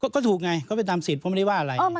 ก็ถูกไงก็ไปตามสิทธิ์เพราะไม่ได้ว่าอะไร